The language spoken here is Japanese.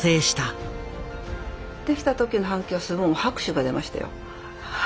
出来た時の反響はすごい拍手が出ましたよ。